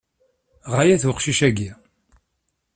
Ɣaya-t uqcic-agi.